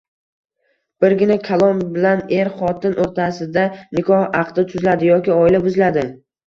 Birgina kalom bilan er-xotin o‘rtasida nikoh aqdi tuziladi yoki oila buziladi.